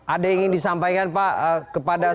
ada yang ingin disampaikan pak kepada